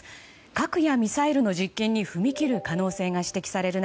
核やミサイルの実験に踏み切る可能性が指摘される